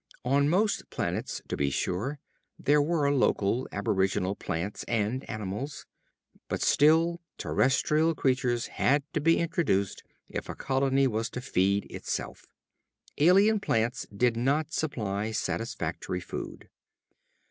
On most planets, to be sure, there were local, aboriginal plants and animals. But still terrestrial creatures had to be introduced if a colony was to feed itself. Alien plants did not supply satisfactory food.